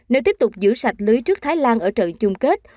nếu tiếp tục giữ sạch lưới trước thái lan ở trận chung kết